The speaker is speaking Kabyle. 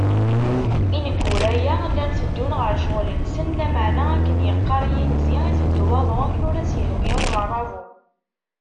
Ineggura-a, llan teddun ɣer ccɣel-nsen, lameεna akken yeqqaṛ yinzi iteddu waḍu akken ur as-yehwi i uɣeṛṛabu.